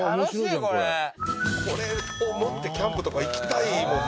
「これを持ってキャンプとか行きたいもんね」